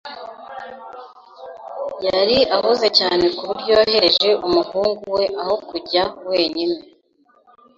Yari ahuze cyane ku buryo yohereje umuhungu we aho kujya wenyine.